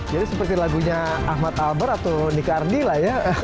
jadi seperti lagunya ahmad albar atau nika ardhani